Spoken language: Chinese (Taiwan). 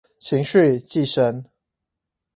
情緒寄生